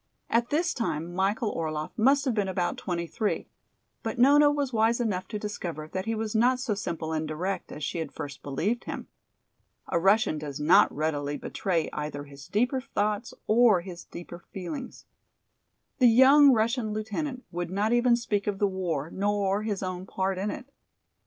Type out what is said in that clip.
At this time Michael Orlaff must have been about twenty three. But Nona was wise enough to discover that he was not so simple and direct as she had first believed him. A Russian does not readily betray either his deeper thoughts or his deeper feelings. The young Russian lieutenant would not even speak of the war nor his own part in it.